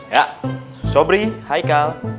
ya sobri haikal